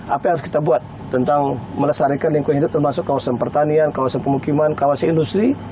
apa yang harus kita buat tentang melestarikan lingkungan hidup termasuk kawasan pertanian kawasan pemukiman kawasan industri